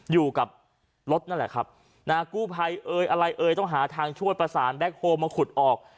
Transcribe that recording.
อยู่กับรถนั่นแหละครับนะฮะกู้ภัยเอ่ยอะไรเอ่ยต้องหาทางช่วยประสานแบ็คโฮลมาขุดออก